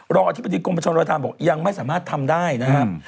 อธิบดีกรมประชาธรรมบอกยังไม่สามารถทำได้นะครับ